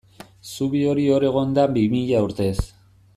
Zubi hori hor egon da bi mila urtez.